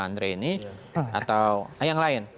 andre ini atau yang lain